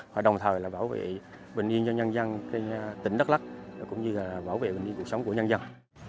và đồng thời là bảo vệ bình yên cho nhân dân tỉnh đắk lắc cũng như là bảo vệ bình yên cuộc sống của nhân dân